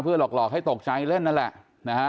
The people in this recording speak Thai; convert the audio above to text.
เพื่อหลอกหลอกให้ตกใจที่เล่านั่นแหละ